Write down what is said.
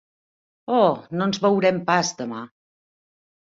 Oh, no ens veurem pas, demà!